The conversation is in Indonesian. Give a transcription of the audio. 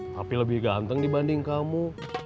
tapi lebih ganteng dibanding kamu